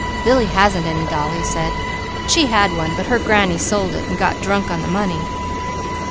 "Lily hasn't any doll," he said. "She had one, but her granny sold it and got drunk on the money."